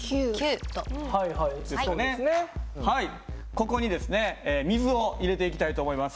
ここにですね水を入れていきたいと思います。